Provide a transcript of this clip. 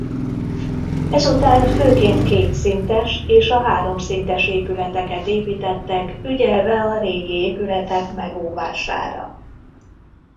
Ezután főként kétszintes és a háromszintes épületeket építettek ügyelve a régi épületek megóvására.